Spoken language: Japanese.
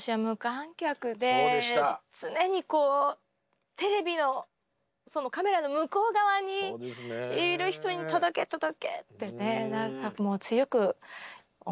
常にこうテレビのカメラの向こう側にいる人に届け届けってね強く思ってた。